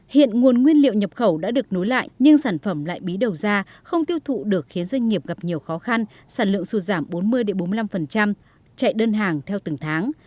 hiện nguồn nguyên liệu nhập khẩu đã được nối lại nhưng sản phẩm lại bí đầu ra không tiêu thụ được khiến doanh nghiệp gặp nhiều khó khăn sản lượng sụt giảm bốn mươi bốn mươi năm chạy đơn hàng theo từng tháng